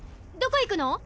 どこ行くの！？